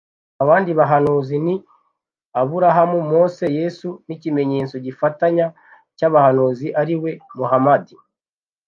abandi bahanuzi ni aburahamu, mose, yesu, n’“ikimenyetso gifatanya cy’abahanuzi, ari we muhamadi